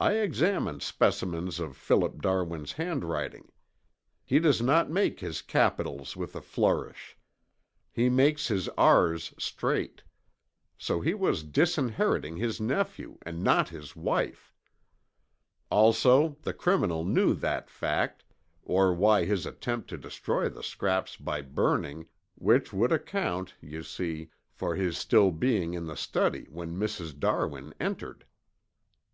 I examined specimens of Philip Darwin's handwriting. He does not make his capitals with a flourish. He makes his R's straight. So he was disinheriting his nephew and not his wife. Also the criminal knew that fact, or why his attempt to destroy the scraps by burning, which would account, you see, for his still being in the study when Mrs. Darwin entered."